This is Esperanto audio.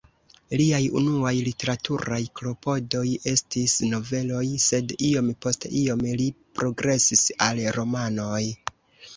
Liaj unuaj literaturaj klopodoj estis noveloj, sed iom post iom li progresis al romanoj.